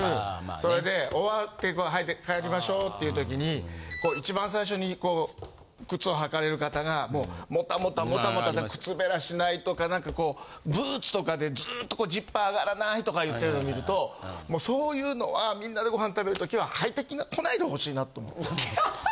それで終わって履いて帰りましょうっていう時に一番最初に靴を履かれる方がもうもたもた靴べらしないとか何かこうブーツとかでずっとジッパー上がらないとか言ってるのを見るともうそういうのはみんなでご飯食べる時は。